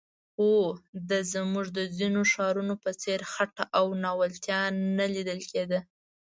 خو د زموږ د ځینو ښارونو په څېر خټه او ناولتیا نه لیدل کېده.